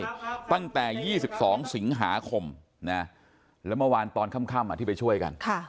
ตั้งแต่๒๒สิงหาคมนะแล้วเมื่อวานตอนค่ำที่ไปช่วยกัน